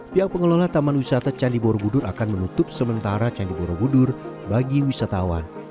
pihak pengelola taman wisata candi borobudur akan menutup sementara candi borobudur bagi wisatawan